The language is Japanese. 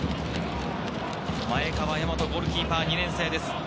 前川大和、ゴールキーパー・２年生です。